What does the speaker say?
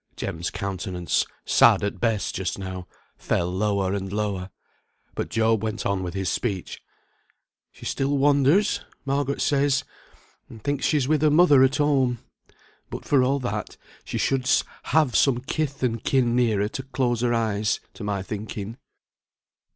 Jem's countenance, sad at best just now, fell lower and lower. But Job went on with his speech. "She still wanders, Margaret says, and thinks she's with her mother at home; but for all that, she should have some kith and kin near her to close her eyes, to my thinking."